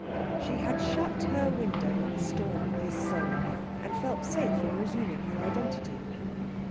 She had shut her window on the storm in his soul, and felt safe in resuming her identity.